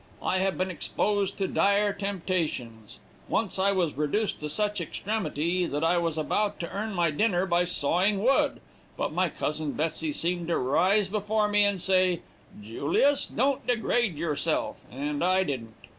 I have been exposed to dire temptations; once I was reduced to such extremity that I was about to earn my dinner by sawing wood, but my cousin Betsey seemed to rise before me and say, "Julius, don't degrade yourself;" and I didn't.